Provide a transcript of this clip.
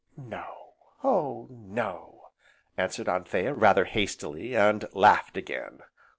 "No, oh no!" answered Anthea, rather hastily, and laughed again.